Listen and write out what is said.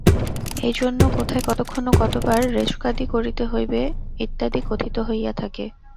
এইজন্য কোথায়, কতক্ষণ ও কতবার রেচকাদি করিতে হইবে, ইত্যাদি কথিত হইয়া থাকে।